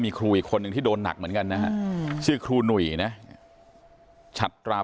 มีครูอีกคนนึงที่โดนหนักเหมือนกั้นนะครั๊ะ